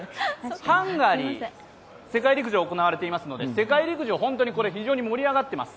ハンガリー、世界陸上行われていますので、世界陸上、本当に盛り上がっています。